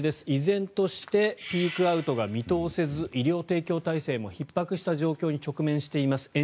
依然としてピークアウトが見通せず医療提供体制もひっ迫した状況に直面しています。